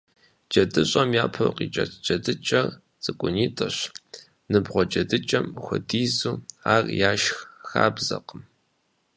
ДжэдыщӀэм япэу къикӀэцӀ джэдыкӀэр цӀыкӀунитӀэщ, ныбгъуэ джэдыкӀэм хуэдизу, ар яшх хабзэкъым.